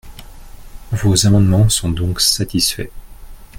Vos amendements sont donc satisfaits.